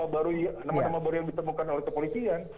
baru nama nama baru yang ditemukan oleh kepolisian